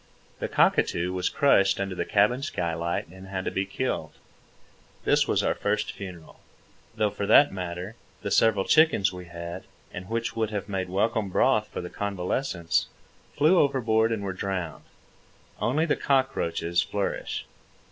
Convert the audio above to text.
The cockatoo was crushed under the cabin skylight and had to be killed. This was our first funeral—though for that matter, the several chickens we had, and which would have made welcome broth for the convalescents, flew overboard and were drowned. Only the cockroaches flourish.